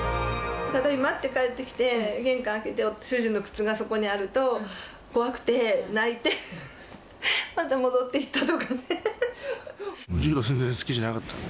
ただいまって帰って来て、玄関開けて、主人の靴がそこにあると、怖くて泣いて、また戻って柔道、全然好きじゃなかった。